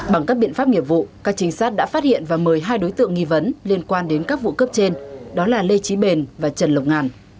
bằng các biện pháp nghiệp vụ các trinh sát đã phát hiện và mời hai đối tượng nghi vấn liên quan đến các vụ cướp trên đó là lê trí bền và trần lộc ngàn